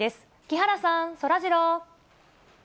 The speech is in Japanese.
木原さん、そらジロー。